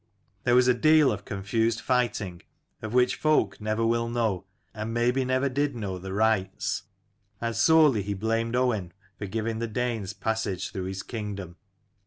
There was a deal of confused righting, of which folk never will know, and maybe never did know, the rights. And sorely he blamed Owain for giving the Danes passage through his kingdom.